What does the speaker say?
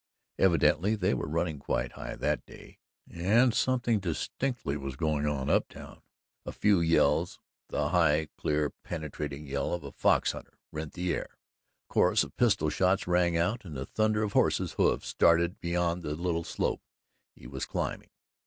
Evidently they were running quite high that day and something distinctly was going on "up town." A few yells the high, clear, penetrating yell of a fox hunter rent the air, a chorus of pistol shots rang out, and the thunder of horses' hoofs started beyond the little slope he was climbing.